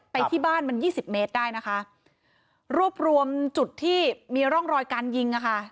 ไปที่บ้านมันยี่สิบเมตรได้นะคะรวบรวมจุดที่มีร่องรอยการยิงอ่ะค่ะ